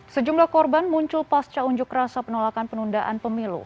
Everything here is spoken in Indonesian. sejumlah korban muncul pasca unjuk rasa penolakan penundaan pemilu